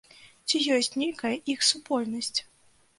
Ці ёсць нейкая іх супольнасць?